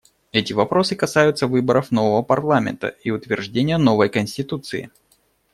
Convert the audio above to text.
Эти вопросы касаются выборов нового парламента и утверждения новой конституции.